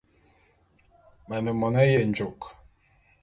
Me ne mone yenjôk.